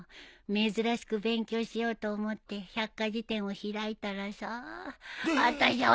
珍しく勉強しようと思って百科事典を開いたらさあたしゃ